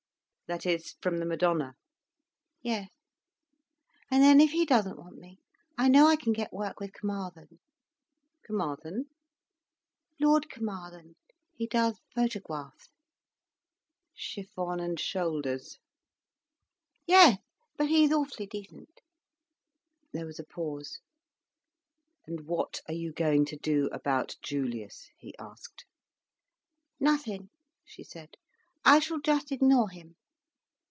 "That is from the Madonna?" "Yes. And then if he doesn't want me, I know I can get work with Carmarthen." "Carmarthen?" "Lord Carmarthen—he does photographs." "Chiffon and shoulders—" "Yes. But he's awfully decent." There was a pause. "And what are you going to do about Julius?" he asked. "Nothing," she said. "I shall just ignore him."